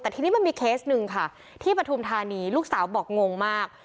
แต่ทีนี้มันมีเคสหนึ่งค่ะที่ปฐุมธานีลูกสาวบอกงงมาก